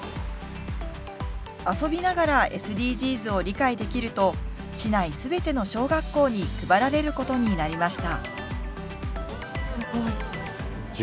遊びながらＳＤＧｓを理解できると市内全ての小学校に配られることになりました。